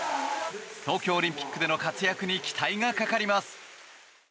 東京オリンピックでの活躍に期待がかかります。